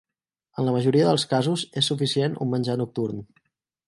En la majoria dels casos és suficient un menjar nocturn.